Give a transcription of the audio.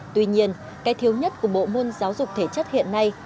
tuy nhiên cái thiếu nhất của bộ môn giáo dục thể chất hiện nay